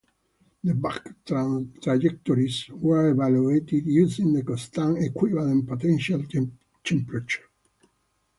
The back trajectories were evaluated using the constant equivalent potential temperatures.